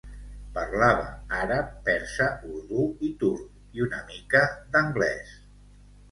Parlava àrab, persa, urdú i turc i una mica d'anglès.